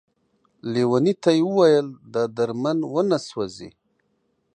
ليوني ته يې ويل دا درمند ونه سوځې ،